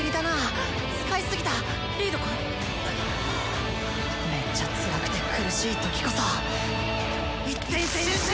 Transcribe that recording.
心の声めっちゃつらくて苦しい時こそ一点集中！